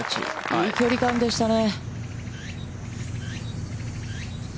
いい距離感でしたね。